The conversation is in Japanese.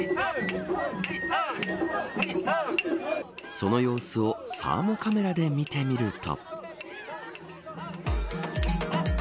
その様子をサーモカメラで見てみると。